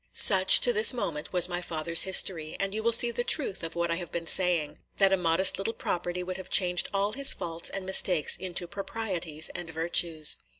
Such, to this moment, was my father's history; and you will see the truth of what I have been saying, – that a modest little property would have changed all his faults and mistakes into proprieties and virtues.